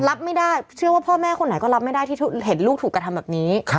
รับไม่ได้เชื่อว่าพ่อแม่คนไหนก็รับไม่ได้ที่เห็นลูกถูกกระทำแบบนี้